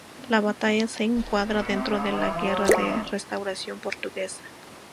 La batalla se encuadra dentro de la Guerra de Restauración portuguesa.